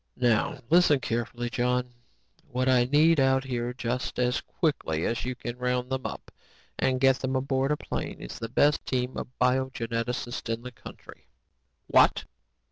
"Now listen carefully, John. What I need out here just as quickly as you can round them up and get them aboard a plane is the best team of biogeneticists in the country. "What?